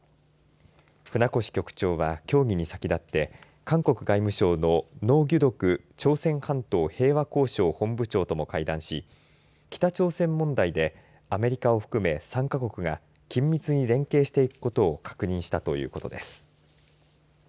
船越局長は協議に先立って韓国外務省のノ・ギュドク朝鮮半島平和交渉本部長とも会談し北朝鮮問題でアメリカを含め３か国が緊密に連携していくことを確認したということです。